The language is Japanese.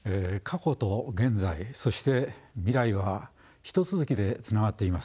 過去と現在そして未来は一続きでつながっています。